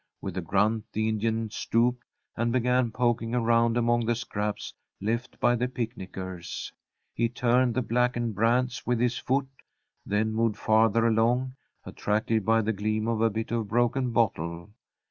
With a grunt the Indian stooped, and began poking around among the scraps left by the picnickers. He turned the blackened brands with his foot, then moved farther along, attracted by the gleam of a bit of broken bottle.